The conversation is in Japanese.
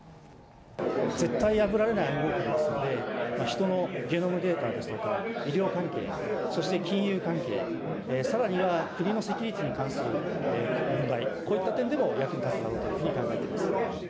絶対破られない暗号ですので、人のゲノムデータですとか、医療関係、そして金融関係、さらには国のセキュリティーに関する問題、こういった点でも役に立つだろうというふうに考えています。